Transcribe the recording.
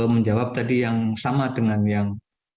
menjawab tadi yang sama dengan yang